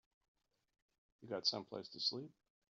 You got someplace to sleep?